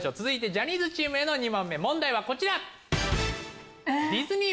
続いてジャニーズチームへ２問目問題はこちら。